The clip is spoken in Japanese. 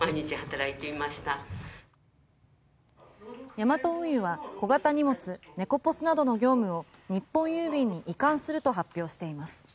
ヤマト運輸は小型荷物ネコポスなどの業務を日本郵便に移管すると発表しています。